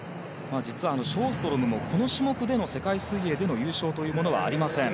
実は、ショーストロムもこの種目での世界水泳の優勝というものはありません。